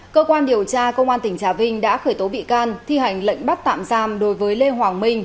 cơ quan điều tra công an tỉnh trà vinh đã khởi tố bị can thi hành lệnh bắt tạm giam đối với lê hoàng minh